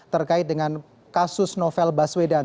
terkait dengan kasus novel baswedan